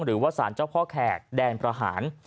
หรือว่าสารเจ้าพ่อแขกแดนประหาร